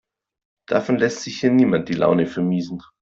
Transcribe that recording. Davon lässt sich hier niemand die Laune vermiesen.